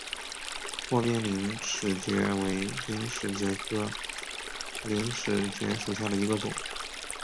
阔边陵齿蕨为陵齿蕨科陵齿蕨属下的一个种。